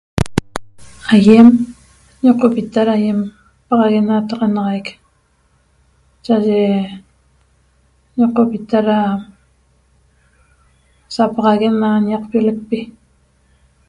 Aiem ñeqopirata ra aiem paxaguenataxanaxaic cha'aye ñeqopita ra sapaxaguen na ñaqpiolecpi